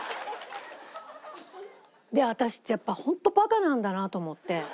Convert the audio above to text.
私ってやっぱホントバカなんだなと思って。